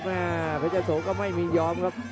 พยายามหยิบซ้ายไว้ก่อนเลยครับเพชรเจ้าโสก็ไม่มียอมครับ